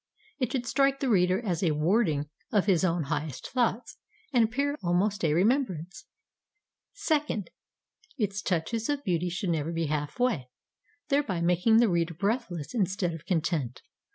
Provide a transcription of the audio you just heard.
It should strike the reader as a wording of his own highest thoughts, and appear almost a remembrance. 2d. Its touches of beauty should never be half way, thereby making the reader breathless, instead of content.